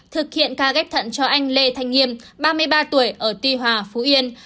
thực hiện ca ghép thận cho anh lê thanh nghiêm ba mươi ba tuổi ở tuy hòa phú yên